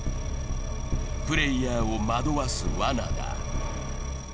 プレイヤーを惑わすわなだ。